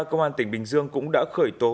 công an tỉnh bình dương cũng đã khởi tố